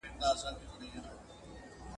د پامیر دي، د هري، د ننګرهار دي ..